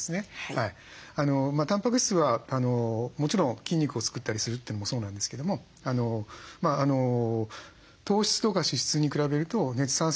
たんぱく質はもちろん筋肉を作ったりするというのもそうなんですけども糖質とか脂質に比べると熱産生効率もいいんですよ。